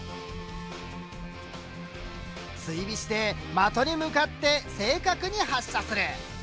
追尾して的に向かって正確に発射する。